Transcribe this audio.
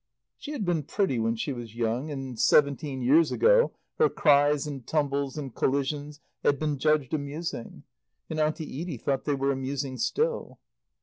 She had been pretty when she was young, and seventeen years ago her cries and tumbles and collisions had been judged amusing; and Auntie Edie thought they were amusing still.